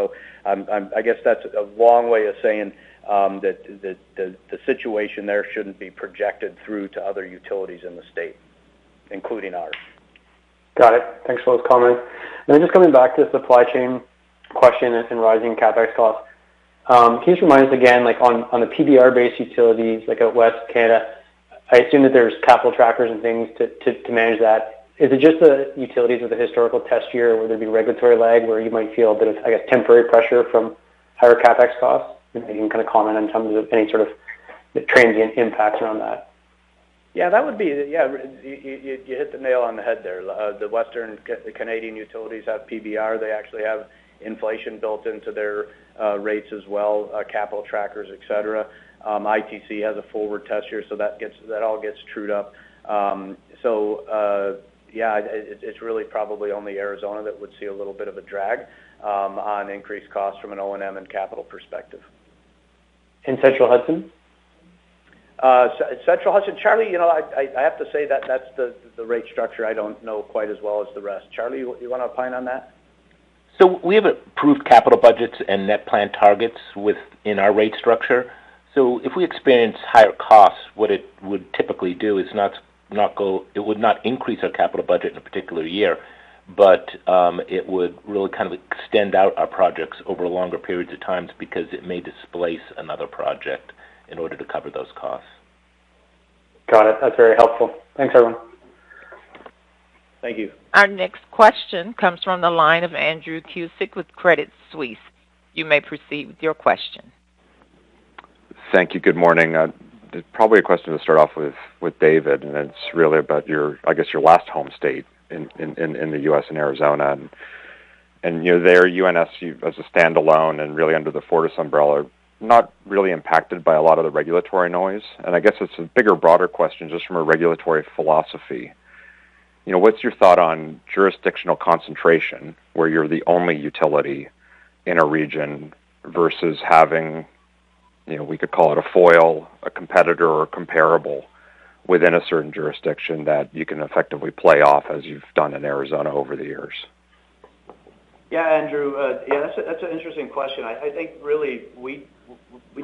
I guess that's a long way of saying that the situation there shouldn't be projected through to other utilities in the state, including ours. Got it. Thanks for those comments. Just coming back to the supply chain question and some rising CapEx costs. Can you just remind us again, like, on the PBR-based utilities like at Western Canada, I assume that there's capital trackers and things to manage that. Is it just the utilities with the historical test here, or would there be regulatory lag where you might feel a bit of, I guess, temporary pressure from higher CapEx costs? If you can kind of comment in terms of any sort of transient impacts around that. Yeah, you hit the nail on the head there. The Canadian utilities have PBR. They actually have inflation built into their rates as well, capital trackers, et cetera. ITC has a forward test here, so that all gets trued up. It's really probably only Arizona that would see a little bit of a drag on increased costs from an O&M and capital perspective. In Central Hudson? Central Hudson. Charlie, you know, I have to say that that's the rate structure I don't know quite as well as the rest. Charlie, you wanna opine on that? We have approved capital budgets and net plan targets within our rate structure. If we experience higher costs, what it would typically do is not increase our capital budget in a particular year, but it would really kind of extend out our projects over longer periods of times because it may displace another project in order to cover those costs. Got it. That's very helpful. Thanks, everyone. Thank you. Our next question comes from the line of Andrew Kuske with Credit Suisse. You may proceed with your question. Thank you. Good morning. Probably a question to start off with David, and it's really about your, I guess, your last home state in the U.S. and Arizona. You're there, UNS as a standalone and really under the Fortis umbrella, not really impacted by a lot of the regulatory noise. I guess it's a bigger, broader question just from a regulatory philosophy. You know, what's your thought on jurisdictional concentration, where you're the only utility in a region versus having, you know, we could call it a foil, a competitor, or comparable within a certain jurisdiction that you can effectively play off as you've done in Arizona over the years? Yeah, Andrew. Yeah, that's an interesting question. I think really we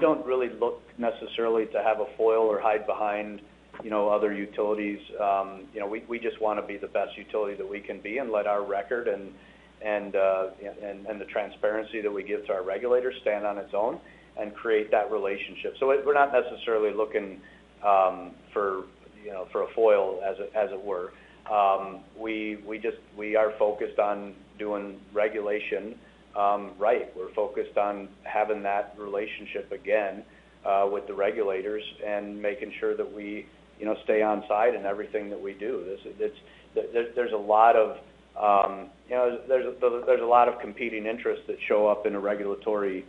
don't really look necessarily to have a foil or hide behind, you know, other utilities. You know, we just wanna be the best utility that we can be and let our record and the transparency that we give to our regulators stand on its own and create that relationship. We're not necessarily looking for, you know, for a foil as it were. We are focused on doing regulation right. We're focused on having that relationship again with the regulators and making sure that we, you know, stay on side in everything that we do. There's a lot of, you know, competing interests that show up in a regulatory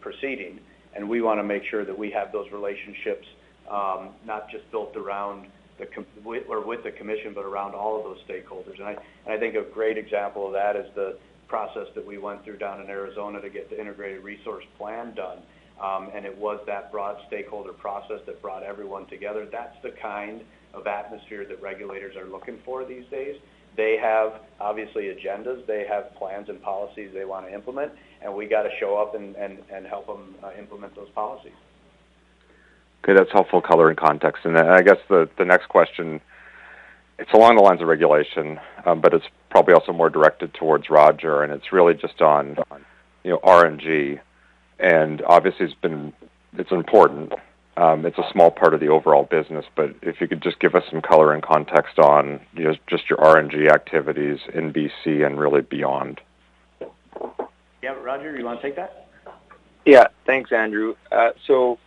proceeding, and we wanna make sure that we have those relationships, not just built around the com-- with the commission, but around all of those stakeholders. I think a great example of that is the process that we went through down in Arizona to get the Integrated Resource Plan done. It was that broad stakeholder process that brought everyone together. That's the kind of atmosphere that regulators are looking for these days. They have, obviously, agendas. They have plans and policies they wanna implement, and we gotta show up and help them implement those policies. Okay. That's helpful color and context. I guess the next question, it's along the lines of regulation, but it's probably also more directed towards Roger, and it's really just on, you know, RNG. And obviously, it's important. It's a small part of the overall business, but if you could just give us some color and context on, you know, just your RNG activities in BC and really beyond. Yeah. Roger, you wanna take that? Yeah. Thanks, Andrew. The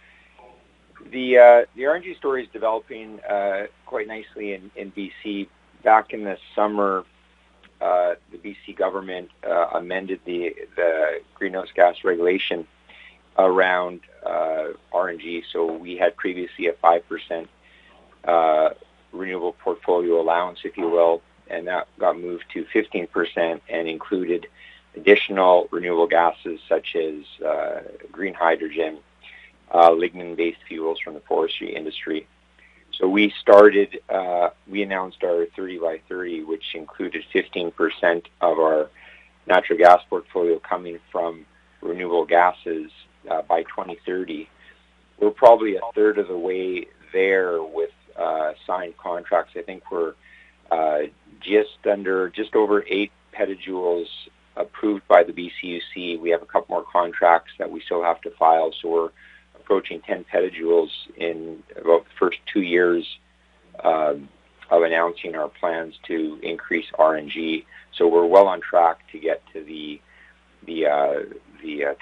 RNG story is developing quite nicely in BC. Back in the summer, the BC government amended the greenhouse gas regulation around RNG. We had previously a 5% renewable portfolio allowance, if you will, and that got moved to 15% and included additional renewable gases such as green hydrogen, lignin-based fuels from the forestry industry. We announced our 30 by 30, which included 15% of our natural gas portfolio coming from renewable gases by 2030. We're probably a third of the way there with signed contracts. I think we're just over eight petajoules approved by the BCUC. We have a couple more contracts that we still have to file, so we're approaching 10 petajoules in about the first two years of announcing our plans to increase RNG. We're well on track to get to the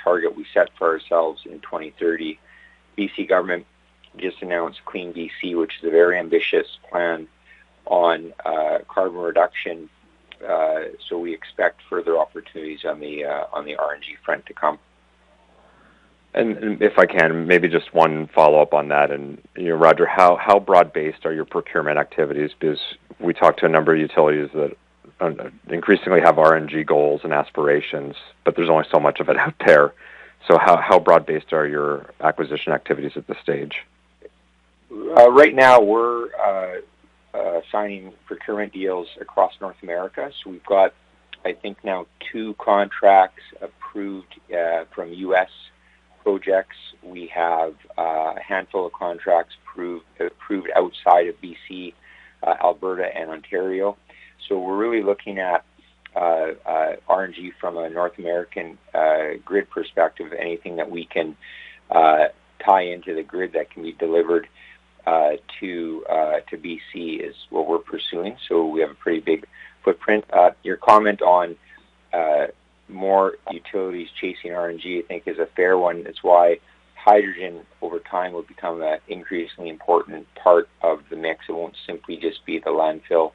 target we set for ourselves in 2030. B.C. government just announced CleanBC, which is a very ambitious plan on carbon reduction. We expect further opportunities on the RNG front to come. If I can, maybe just one follow-up on that. You know, Roger, how broad-based are your procurement activities? Because we talked to a number of utilities that increasingly have RNG goals and aspirations, but there's only so much of it out there. How broad-based are your acquisition activities at this stage? Right now we're signing procurement deals across North America. We've got, I think, now two contracts approved from U.S. projects. We have a handful of contracts approved outside of BC, Alberta and Ontario. We're really looking at RNG from a North American grid perspective. Anything that we can tie into the grid that can be delivered to BC is what we're pursuing, so we have a pretty big footprint. Your comment on more utilities chasing RNG, I think is a fair one. That's why hydrogen over time will become an increasingly important part of the mix. It won't simply just be the landfill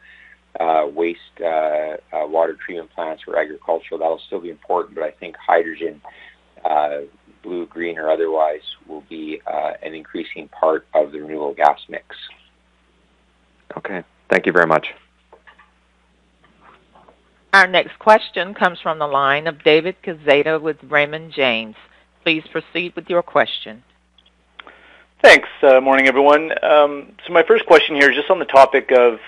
waste water treatment plants or agricultural. That'll still be important, but I think hydrogen, blue, green or otherwise will be an increasing part of the renewable gas mix. Okay. Thank you very much. Our next question comes from the line of David Quezada with Raymond James. Please proceed with your question. Thanks. Morning, everyone. So my first question here is just on the topic of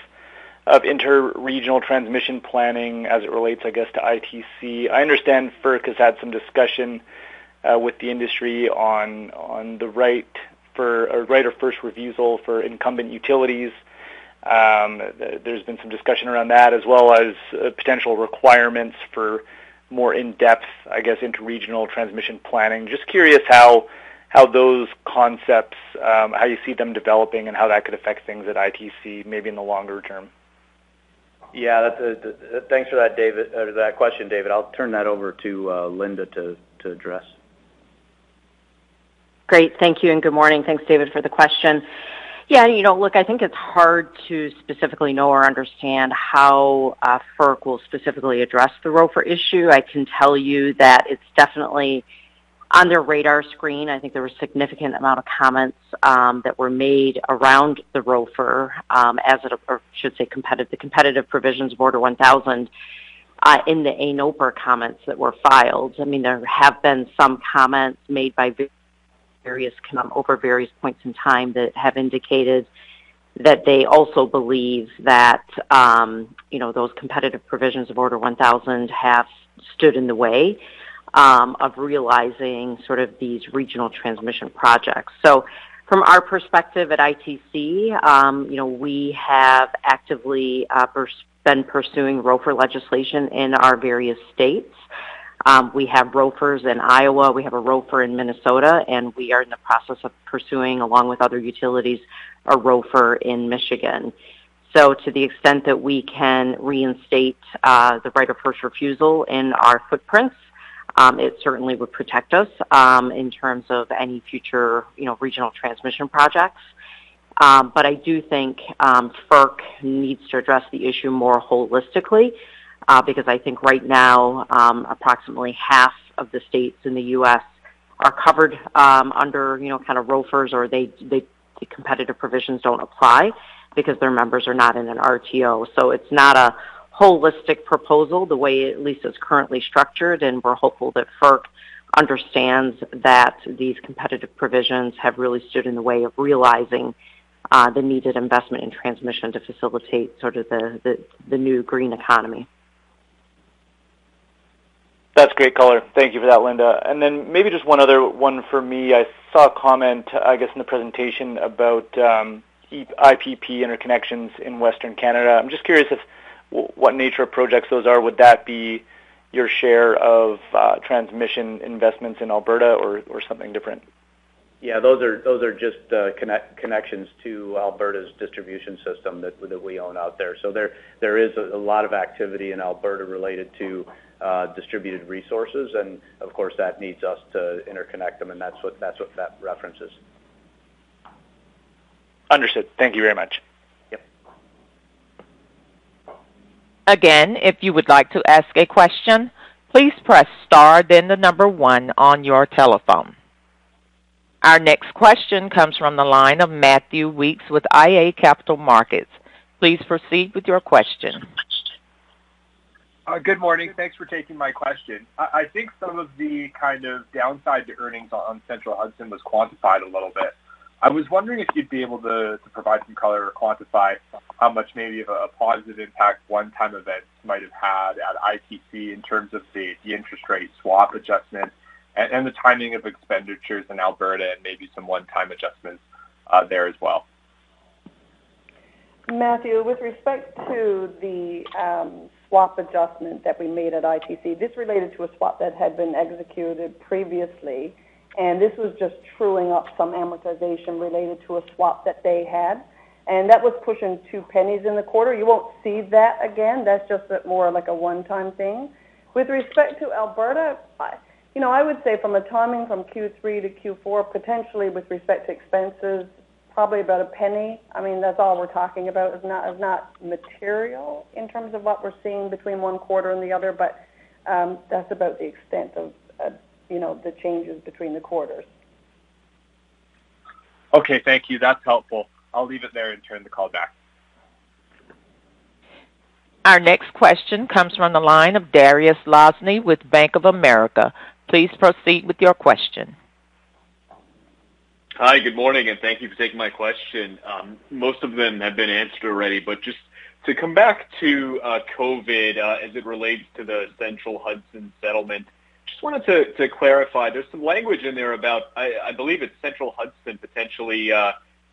interregional transmission planning as it relates, I guess, to ITC. I understand FERC has had some discussion with the industry on a right of first refusal for incumbent utilities. There's been some discussion around that as well as potential requirements for more in-depth, I guess, interregional transmission planning. Just curious how those concepts, how you see them developing and how that could affect things at ITC maybe in the longer term. Thanks for that, David. Or that question, David. I'll turn that over to Linda to address. Great. Thank you and good morning. Thanks, David, for the question. Yeah, you know, look, I think it's hard to specifically know or understand how FERC will specifically address the ROFR issue. I can tell you that it's definitely on their radar screen. I think there was significant amount of comments that were made around the ROFR, the competitive provisions of Order 1000 in the ANOPR comments that were filed. I mean, there have been some comments made by various over various points in time that have indicated that they also believe that, you know, those competitive provisions of Order 1000 have stood in the way of realizing sort of these regional transmission projects. From our perspective at ITC, you know, we have actively been pursuing ROFR legislation in our various states. We have ROFRs in Iowa, we have a ROFR in Minnesota, and we are in the process of pursuing, along with other utilities, a ROFR in Michigan. To the extent that we can reinstate the right of first refusal in our footprints, it certainly would protect us in terms of any future, you know, regional transmission projects. But I do think FERC needs to address the issue more holistically, because I think right now, approximately half of the states in the U.S. are covered under, you know, kind of ROFRs or the competitive provisions don't apply because their members are not in an RTO. It's not a holistic proposal the way at least it's currently structured. We're hopeful that FERC understands that these competitive provisions have really stood in the way of realizing the needed investment in transmission to facilitate sort of the new green economy. That's great color. Thank you for that, Linda. Maybe just one other one for me. I saw a comment, I guess, in the presentation about IPP interconnections in Western Canada. I'm just curious if what nature of projects those are. Would that be your share of transmission investments in Alberta or something different? Yeah, those are just connections to Alberta's distribution system that we own out there. There is a lot of activity in Alberta related to distributed resources and of course that needs us to interconnect them and that's what that reference is. Understood. Thank you very much. Yep. Again, if you would like to ask a question, please press star then the number one on your telephone. Our next question comes from the line of Matthew Weekes with iA Capital Markets. Please proceed with your question. Good morning. Thanks for taking my question. I think some of the kind of downside to earnings on Central Hudson was quantified a little bit. I was wondering if you'd be able to provide some color or quantify how much maybe of a positive impact one-time events might have had at ITC in terms of the interest rate swap adjustment and the timing of expenditures in Alberta and maybe some one-time adjustments there as well. Matthew, with respect to the swap adjustment that we made at ITC, this related to a swap that had been executed previously, and this was just truing up some amortization related to a swap that they had. That was pushing 0.02 in the quarter. You won't see that again. That's just more of, like, a one-time thing. With respect to Alberta, you know, I would say from a timing from Q3 to Q4, potentially with respect to expenses, probably about CAD 0.01. I mean, that's all we're talking about. It's not material in terms of what we're seeing between one quarter and the other, but that's about the extent of, you know, the changes between the quarters. Okay. Thank you. That's helpful. I'll leave it there and turn the call back. Our next question comes from the line of Dariusz Lozny with Bank of America. Please proceed with your question. Hi, good morning, and thank you for taking my question. Most of them have been answered already. Just to come back to COVID, as it relates to the Central Hudson settlement, just wanted to clarify. There's some language in there about, I believe it's Central Hudson potentially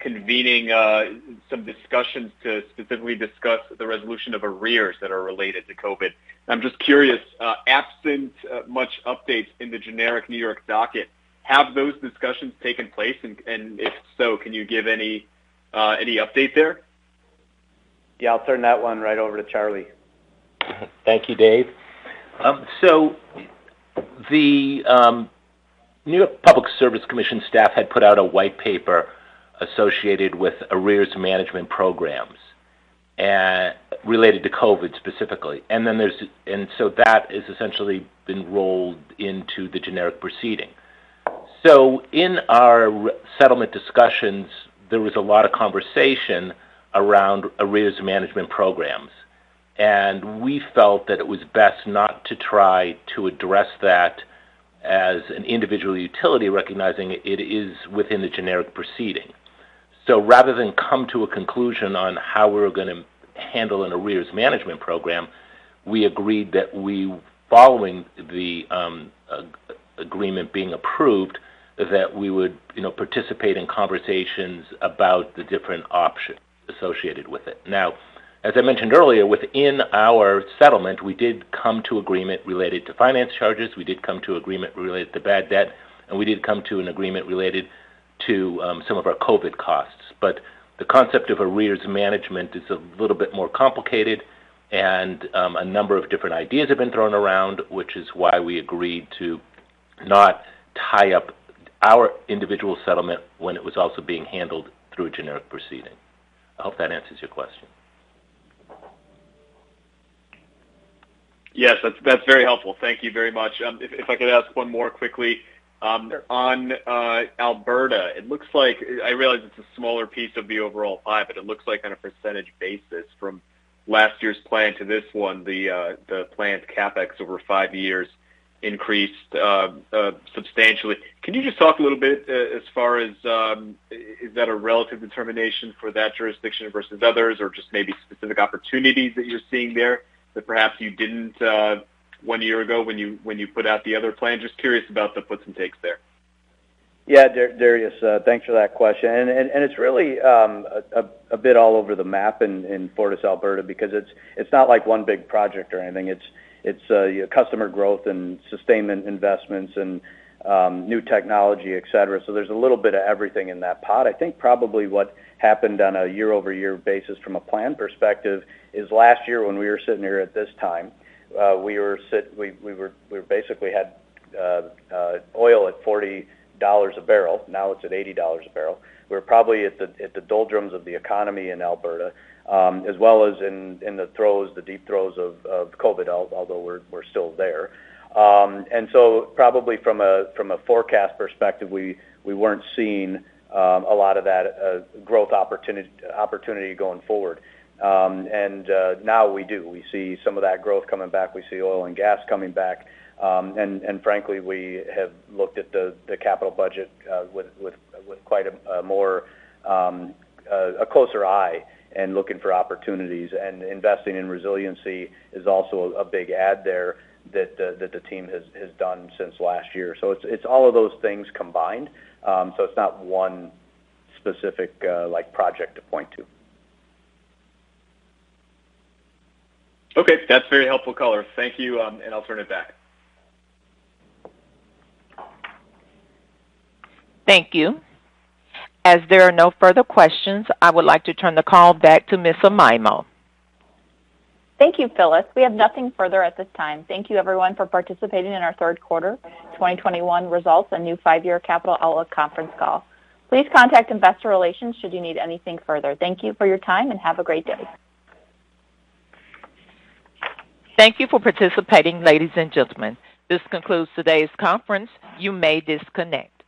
convening some discussions to specifically discuss the resolution of arrears that are related to COVID. I'm just curious absent much updates in the generic New York docket, have those discussions taken place? And if so, can you give any update there? Yeah, I'll turn that one right over to Charlie. Thank you, Dave. The New York Public Service Commission staff had put out a white paper associated with arrears management programs and related to COVID specifically. That is essentially been rolled into the generic proceeding. In our resettlement discussions, there was a lot of conversation around arrears management programs. We felt that it was best not to try to address that as an individual utility, recognizing it is within the generic proceeding. Rather than come to a conclusion on how we're gonna handle an arrears management program, we agreed that we, following the agreement being approved, that we would, you know, participate in conversations about the different options associated with it. Now, as I mentioned earlier, within our settlement, we did come to agreement related to finance charges, we did come to agreement related to bad debt, and we did come to an agreement related to some of our COVID costs. The concept of arrears management is a little bit more complicated, and a number of different ideas have been thrown around, which is why we agreed to not tie up our individual settlement when it was also being handled through a generic proceeding. I hope that answers your question. Yes. That's very helpful. Thank you very much. If I could ask one more quickly. Sure. On Alberta, it looks like I realize it's a smaller piece of the overall pie, but it looks like on a percentage basis from last year's plan to this one, the planned CapEx over five years increased substantially. Can you just talk a little bit as far as is that a relative determination for that jurisdiction versus others or just maybe specific opportunities that you're seeing there that perhaps you didn't one year ago when you put out the other plan? Just curious about the puts and takes there. Yeah. Darius, thanks for that question. It's really a bit all over the map in FortisAlberta because it's not like one big project or anything. It's customer growth and sustainment investments and new technology, et cetera. So there's a little bit of everything in that pot. I think probably what happened on a year-over-year basis from a plan perspective is last year when we were sitting here at this time, we basically had oil at $40 a barrel. Now it's at $80 a barrel. We were probably at the doldrums of the economy in Alberta as well as in the deep throes of COVID, although we're still there. From a forecast perspective, we weren't seeing a lot of that growth opportunity going forward. Now we do. We see some of that growth coming back. We see oil and gas coming back. Frankly, we have looked at the capital budget with a closer eye and looking for opportunities. Investing in resiliency is also a big add there that the team has done since last year. It's all of those things combined. It's not one specific like project to point to. Okay. That's very helpful color. Thank you, and I'll turn it back. Thank you. As there are no further questions, I would like to turn the call back to Ms. Amaimo. Thank you, Phyllis. We have nothing further at this time. Thank you everyone for participating in our third quarter 2021 results and new five-year capital outlook conference call. Please contact investor relations should you need anything further. Thank you for your time, and have a great day. Thank you for participating, ladies and gentlemen. This concludes today's conference. You may disconnect.